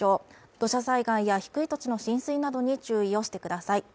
土砂災害や低い土地の浸水などに注意をしてください。